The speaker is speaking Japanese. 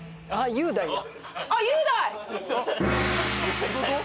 雄大や。